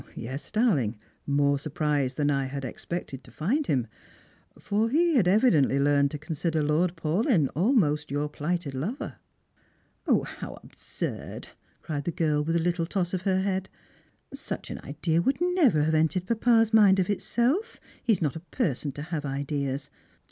"Yes, darling; more surprised than I had ex]oected to find him, for he had evidently learned to consider Lord Paulyn almost your plighted lover." How absurd !" cried the girl with a little toss of her head ;•* such an idea would never have entered papa's mind of itself. He is not a person to have ideas.